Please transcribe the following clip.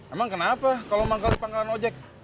emang kenapa kalau manggal di pangkalan ojek